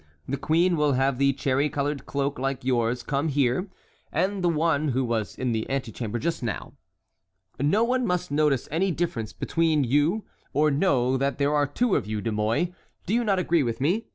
The queen will have the cherry colored cloak like yours come here—the one who was in the antechamber just now. No one must notice any difference between you, or know that there are two of you, De Mouy. Do you not agree with me?